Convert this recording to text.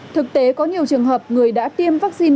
thực tế có nhiều trường hợp người đã tiêm vắc xin